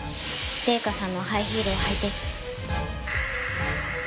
礼香さんのハイヒールを履いて。